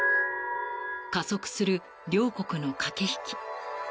加速する両国の駆け引き。